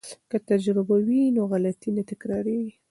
که تجربه وي نو غلطي نه تکراریږي.